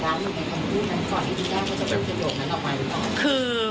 แปดสังการณ์อยู่ในคำพูดนั้นก่อนที่ได้เขาจะพูดกระโยคนั้นออกมาหรือเปล่า